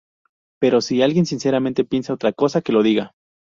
Pero si alguien sinceramente piensa otra cosa, que lo diga.